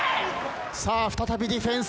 さあ再びディフェンス。